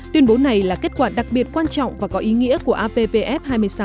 tuyên bố này là kết quả đặc biệt quan trọng và có ý nghĩa của appf hai mươi sáu